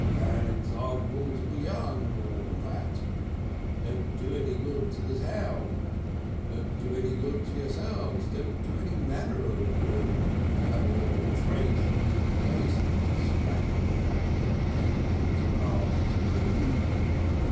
Bad Example to the Young and all that. Don't do any Good to the town, don't do any Good to yourselves, don't do any manner of Good, to have all the Tradesmen in the Place scrapping about the Pavement of an Afternoon.